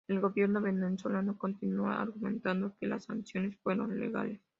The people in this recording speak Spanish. El gobierno venezolano continúa argumentando que las sanciones fueron legales.